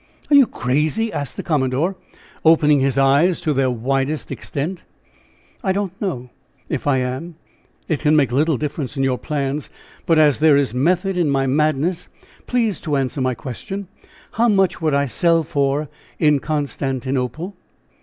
"Are you crazy?" asked the commodore, opening his eyes to their widest extent. "I don't know. If I am, it can make little difference in your plans. But as there is method in my madness, please to answer my question. How much would I sell for in Constantinople?"